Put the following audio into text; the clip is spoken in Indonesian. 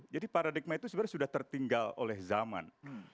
jadi paradigma itu sebenarnya sudah tertinggal oleh zaman